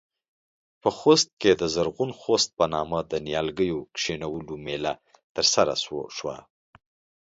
په خوست کې د زرغون خوست په نامه د نيالګيو کښېنولو مېلمه ترسره شوه.